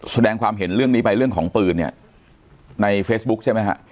แสดงความเห็นเรื่องนี้ไปเรื่องของปืนเนี่ยในเฟซบุ๊คใช่ไหมฮะ